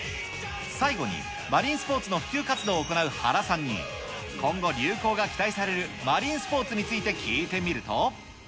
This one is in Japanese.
最後にマリンスポーツの普及活動を行う原さんに、今後、流行が期待されるマリンスポーツについて聞いてみると。